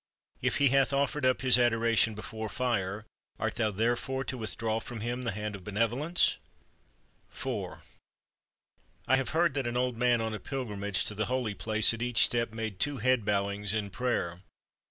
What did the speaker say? If he hath offered up his adoration before Fire, art thou therefore to withdraw from him the hand of benevolence? " IV I have heard that an old man on a pilgrimage to the Holy Place at each step made two head bowings in prayer.